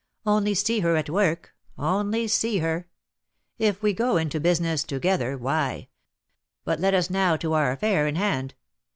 Only see her at work! only see her! If we go into 'business' together, why But let us now to our affair in hand.